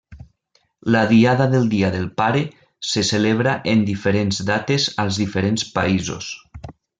La diada del dia del pare se celebra en diferents dates als diferents països.